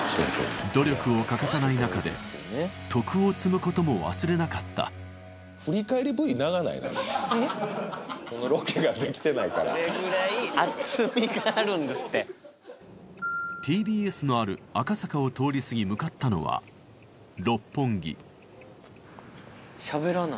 努力を欠かさない中で徳を積むことも忘れなかったＴＢＳのある赤坂を通り過ぎ向かったのは六本木喋らない。